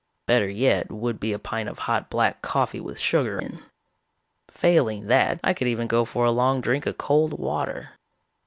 Better yet would be a pint of hot black coffee with sugar in. Failing that, I could even go for a long drink of cold water.